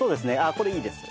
これいいです。